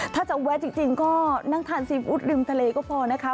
ถ้าจะแวะจริงก็นั่งทานซีฟู้ดริมทะเลก็พอนะคะ